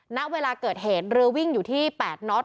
ณเวลาเกิดเหตุเรือวิ่งอยู่ที่๘น็อต